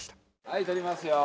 はい撮りますよ。